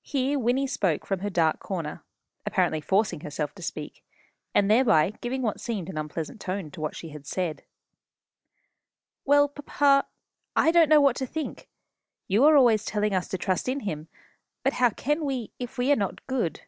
Here Wynnie spoke from her dark corner, apparently forcing herself to speak, and thereby giving what seemed an unpleasant tone to what she said. "Well, papa, I don't know what to think. You are always telling us to trust in Him; but how can we, if we are not good?"